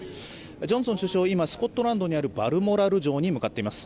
ジョンソン首相は今、スコットランドにあるバルモラル城に向かっています。